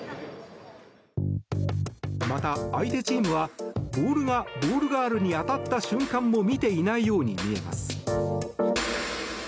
また、相手チームはボールがボールガールに当たった瞬間も見ていないように見えます。